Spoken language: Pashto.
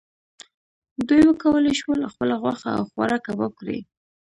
دوی وکولی شول خپله غوښه او خواړه کباب کړي.